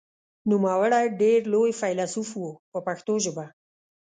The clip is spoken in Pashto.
نوموړی ډېر لوی فیلسوف و په پښتو ژبه.